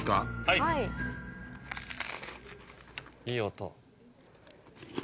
いい音。